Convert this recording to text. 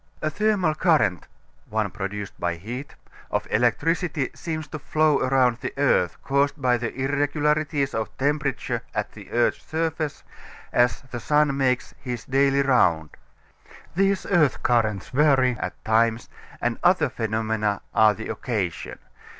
A thermal current (one produced by heat) of electricity seems to flow around the earth caused by the irregularities of temperature at the earth's surface, as the sun makes his daily round. These earth currents vary at times, and other phenomena are the occasion.